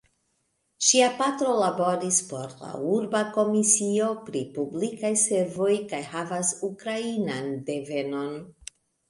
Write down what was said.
Ŝia patro laboris por la urba Komisio pri Publikaj Servoj kaj havas ukrainan devenon.